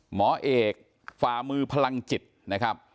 หมอเอกฝ่ามือพลังจิตนะครับ